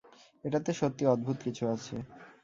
এটাতে সত্যিই অদ্ভুত কিছু আছে।